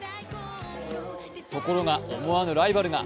ところが、思わぬライバルが。